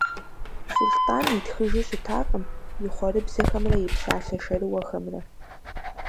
Сулътӏан итхыжу щытакъым и хъуэрыбзэхэмрэ и псалъэ шэрыуэхэмрэ.